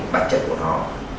bản chất của nó